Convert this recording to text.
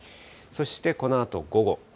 そしてこのあと午後。